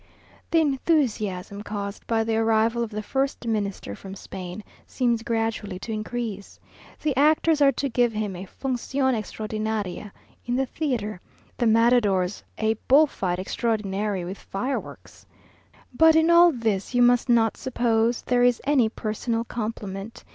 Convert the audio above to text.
The enthusiasm caused by the arrival of the first Minister from Spain seems gradually to increase. The actors are to give him a "función extraordinaria," in the theatre the matadors a bull fight extraordinary, with fireworks. ... But in all this you must not suppose there is any personal compliment.